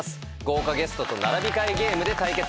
豪華ゲストと並び替えゲームで対決。